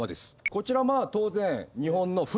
こちら当然。